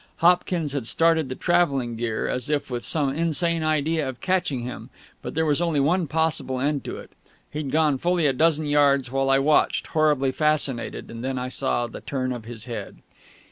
Hopkins had started the travelling gear, as if with some insane idea of catching him; but there was only one possible end to it. He'd gone fully a dozen yards, while I watched, horribly fascinated; and then I saw the turn of his head....